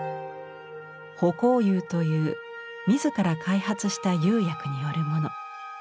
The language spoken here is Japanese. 「葆光釉」という自ら開発した釉薬によるもの。